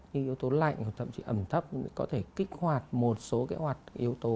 những yếu tố lạnh thậm chí ẩm thấp có thể kích hoạt một số kế hoạt yếu tố